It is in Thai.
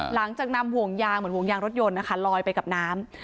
หลังจากนำห่วงยางเหมือนห่วงยางรถยนต์นะคะลอยไปกับน้ำ